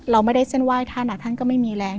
เราไม่ได้เส้นไหว้ท่านท่านก็ไม่มีแรง